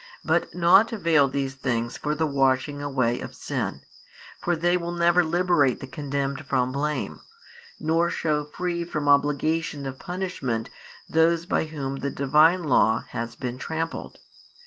But nought avail these things for the washing away of sin; for they will never liberate the condemned from blame, nor shew free from obligation of punishment those by whom the Divine Law has been trampled.